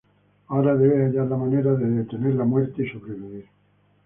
Ahora debe hallar la manera de detener las muertes y sobrevivir.